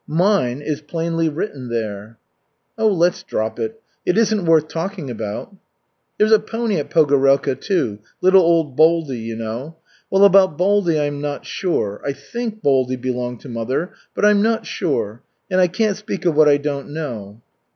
'Mine,' is plainly written there." "Oh, let's drop it. It isn't worth talking about." "There's a pony at Pogorelka, too, little old Baldy, you know. Well, about Baldy I am not sure. I think Baldy belonged to mother, but I'm not sure. And I can't speak of what I don't know."